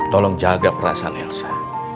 tolong jaga perasaan elsa